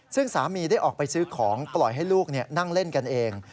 ซึ่งสามีได้ออกไปซื้อของปล่อยให้ลูกนั่งเล่นกันเอง